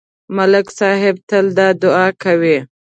ملک صاحب تل دا دعا کوي.